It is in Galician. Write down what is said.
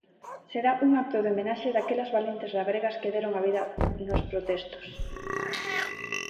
Será un acto de homenaxe daquelas valentes labregas que deron a vida nos protestos.